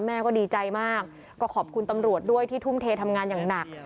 แม่ก็ดีใจมากก็ขอบคุณตำรวจด้วยที่ทุ่มเททำงานอย่างหนัก